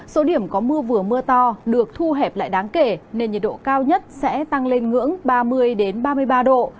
số điểm có mưa vừa mưa to được thu hẹp lại đáng kể nên nhiệt độ cao nhất sẽ tăng lên ngưỡng ba mươi ba mươi ba độ